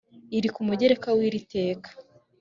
iri ku mugereka w iri teka